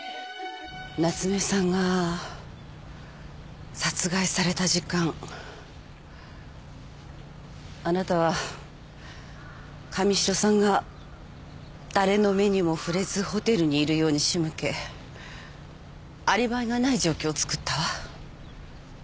夏目さんが殺害された時間あなたは神代さんが誰の目にも触れずホテルにいるようにしむけアリバイがない状況をつくったわ。